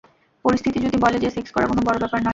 পরিস্থিতি যদি বলে যে, সেক্স করা কোন বড় ব্যাপার নয়।